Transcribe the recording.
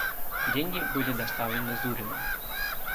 Деньги были доставлены Зурину.